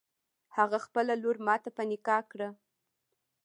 هغه خپله لور ماته په نکاح کړه.